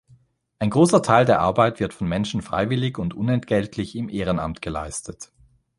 Ein großer Teil der Arbeit wird von Menschen freiwillig und unentgeltlich im Ehrenamt geleistet.